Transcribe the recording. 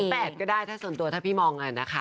มีเรื่องมีก็ได้ในส่วนตัวถ้าพี่มองอ่ะนะคะ